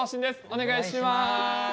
お願いします。